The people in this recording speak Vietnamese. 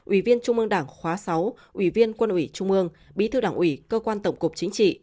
ủy viên trung ương đảng khóa sáu ủy viên quân ủy trung ương bí thư đảng ủy cơ quan tổng cục chính trị